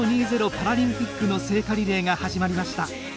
パラリンピックの聖火リレーが始まりました。